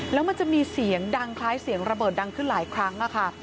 แล้วมันจะมีเสียงดังคล้ายเสียงระเบิดดังขึ้นหลายครั้งค่ะ